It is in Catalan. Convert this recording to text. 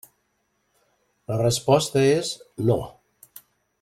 La resposta és «no».